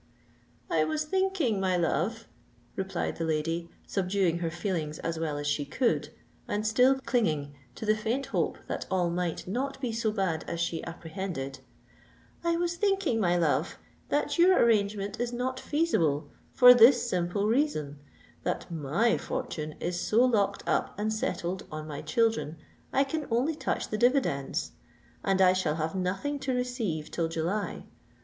"I was thinking, my love," replied the lady, subduing her feelings as well as she could, and still clinging to the faint hope that all might not be so bad as she apprehended,—"I was thinking, my love, that your arrangement is not feasible, for this simple reason—that my fortune is so locked up and settled on my children, I can only touch the dividends: and I shall have nothing to receive till July.